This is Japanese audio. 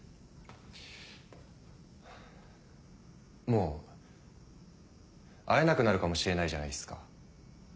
もう会えなくなるかもしれないじゃないっすか。